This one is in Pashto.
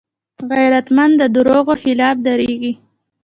غیرتمند د دروغو خلاف دریږي